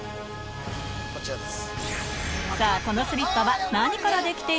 こちらです。